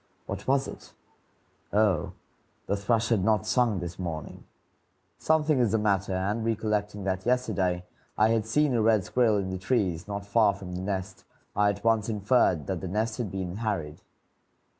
What was it? Oh, the thrush had not sung this morning. Something is the matter; and, recollecting that yesterday I had seen a red squirrel in the trees not far from the nest, I at once inferred that the nest had been harried.